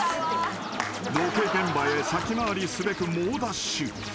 ［ロケ現場へ先回りすべく猛ダッシュ］